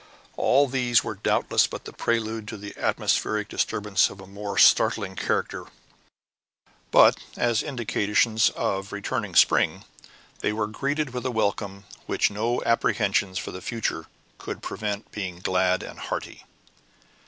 All these were doubtless but the prelude to atmospheric disturbances of a more startling character; but as indications of returning spring, they were greeted with a welcome which no apprehensions for the future could prevent being glad and hearty.